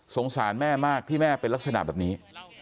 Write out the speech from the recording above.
สารแม่มากที่แม่เป็นลักษณะแบบนี้